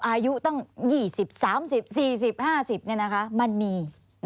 อายุตั้ง๒๐๓๐๔๐๕๐มันมี